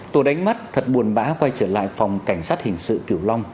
tổ đánh mắt thật buồn bã quay trở lại phòng cảnh sát hình sự kiểu long